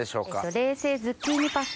冷製ズッキーニパスタ。